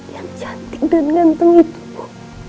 yang cantik dan ganteng itu kok